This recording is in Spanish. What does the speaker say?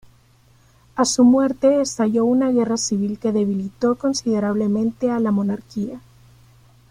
A su muerte estalló una guerra civil que debilitó considerablemente a la monarquía.